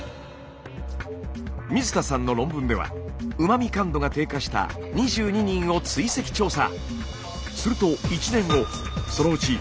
水田さんの論文ではうま味感度が低下した２２人を追跡調査。